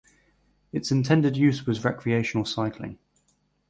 Its intended use was recreational cycling.